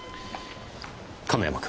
亀山君。